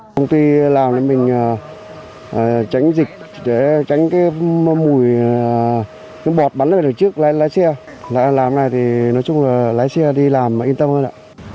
công ty làm để mình tránh dịch để tránh cái mùi bọt bắn ở trước lái xe làm thế này thì nói chung là lái xe đi làm mà yên tâm hơn ạ